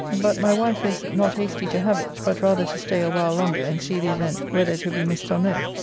But my wife is not hasty to have it, but rather to stay a while longer and see the event whether it will be missed or no.